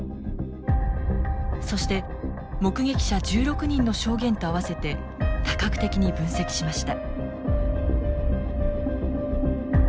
そして目撃者１６人の証言と合わせて多角的に分析しました。